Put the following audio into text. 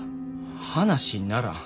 話にならん。